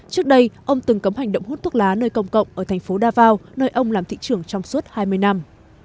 trước đây ông từng cấm hành động hút thuốc lá nơi công cộng ở thành phố davao nơi ông làm thị trường trong suốt hai mươi năm